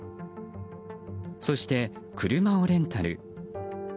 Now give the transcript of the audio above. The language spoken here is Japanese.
そして、車をレンタル。